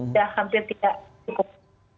sudah hampir tidak cukup